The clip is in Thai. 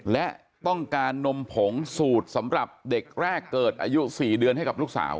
และต้องการนมผงสูตรสำหรับเด็กแรกเกิดอายุ๔เดือนให้กับลูกสาว